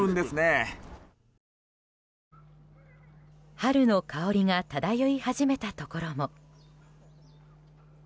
春の香りが漂い始めたところも。